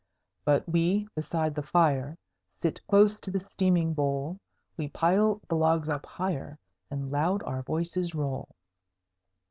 But we beside the fire Sit close to the steaming bowl; We pile the logs up higher, And loud our voices roll.